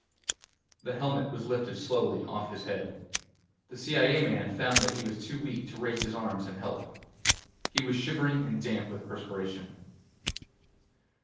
The helmet was lifted slowly off his head. The CIA man found that he was too weak to raise his arms and help. He was shivering and damp with perspiration.